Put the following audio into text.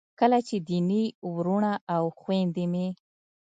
کله چې دیني وروڼه او خویندې مې